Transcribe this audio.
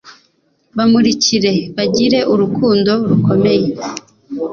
bamurikire bagire urukundo rukomeye